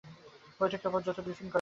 বৈঠকের পর যৌথ ব্রিফিং করা হবে।